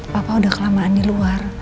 papa udah kelamaan di luar